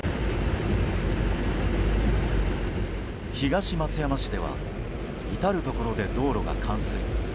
東松山市では至るところで道路が冠水。